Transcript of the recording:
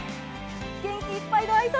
元気いっぱいの挨拶